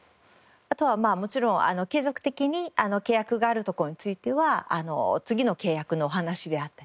あとはもちろん継続的に契約があるところについては次の契約のお話であったり。